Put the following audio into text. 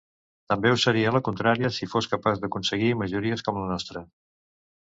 També ho seria la contraria, si fos capaç d’aconseguir majories com la nostra.